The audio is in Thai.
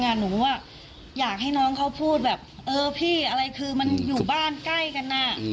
ภาพฯก่อนที่จะอยากให้หน้าเขาพูดแบบเออพี่อะไรคือมันอยู่บ้านใกล้กันน่ะ